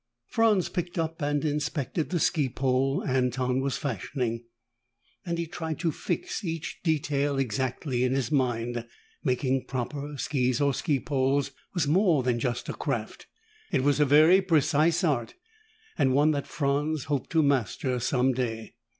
Franz picked up and inspected the ski pole Anton was fashioning, and he tried to fix each detail exactly in his mind. Making proper skis or ski poles was more than just a craft. It was a very precise art, and one that Franz hoped to master some day.